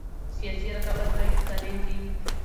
سیاسي رقابت باید سالم وي